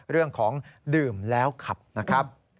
เรื่องของดื่มแล้วขับนะครับ